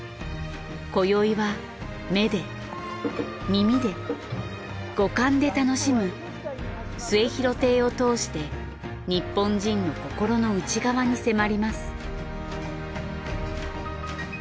今宵は目で耳で五感で楽しむ『末廣亭』を通して日本人の心の内側に迫ります。